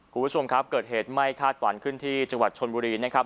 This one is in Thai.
คุณผู้ชมครับเกิดเหตุไม่คาดฝันขึ้นที่จังหวัดชนบุรีนะครับ